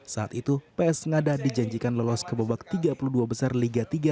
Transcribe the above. saat itu ps ngada dijanjikan lolos ke babak tiga puluh dua besar liga tiga